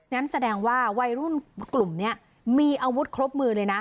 งั้นแสดงว่าวัยรุ่นกลุ่มนี้มีอาวุธครบมือเลยนะ